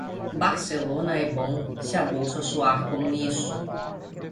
Barcelona é bom se a bolsa soar como isso.